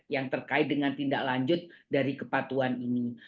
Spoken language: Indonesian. yang terkait dengan tindak lanjut dari kepatuan ini